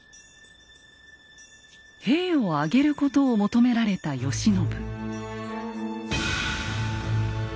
兵を挙げることを求められた慶喜。